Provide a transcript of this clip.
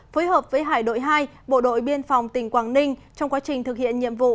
phối hợp với hải đội hai bộ đội biên phòng tỉnh quảng ninh trong quá trình thực hiện nhiệm vụ